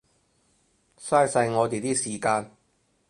嘥晒我哋啲時間